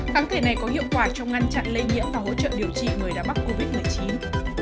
kháng thể này có hiệu quả trong ngăn chặn lây nhiễm và hỗ trợ điều khiển